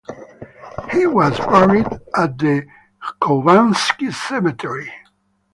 He was buried at the Khovansky Cemetery.